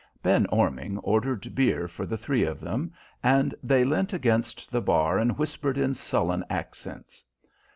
Ben Orming ordered beer for the three of them, and they leant against the bar and whispered in sullen accents.